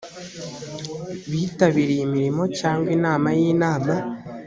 bitabiriye imirimo cyangwa inama y inama